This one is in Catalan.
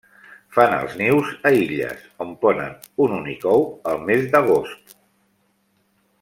Fan els nius a illes, on ponen un únic ou, al mes d'Agost.